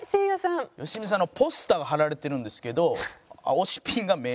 良純さんのポスターが貼られてるんですけど。